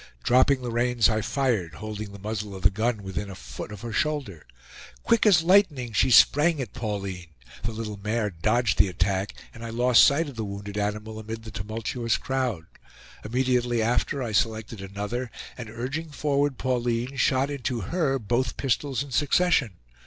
Dropping the reins I fired, holding the muzzle of the gun within a foot of her shoulder. Quick as lightning she sprang at Pauline; the little mare dodged the attack, and I lost sight of the wounded animal amid the tumultuous crowd. Immediately after I selected another, and urging forward Pauline, shot into her both pistols in succession.